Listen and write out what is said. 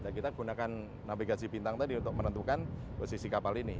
nah kita gunakan navigasi bintang tadi untuk menentukan posisi kapal ini